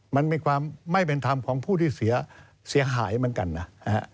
มันมีความไม่เป็นธรรมของผู้ที่เสียหายเหมือนกันนะ